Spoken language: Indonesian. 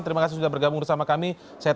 terima kasih sudah bergabung bersama kami